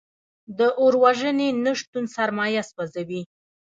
د اور وژنې نشتون سرمایه سوځوي.